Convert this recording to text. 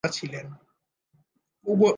উভয় ক্ষেত্রেই একজন অত্যাচারী রাজা ছিল।